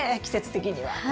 季節的には。